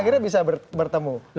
akhirnya bisa bertemu